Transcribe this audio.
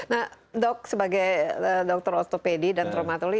nah dok sebagai dokter ostopedi dan traumatologi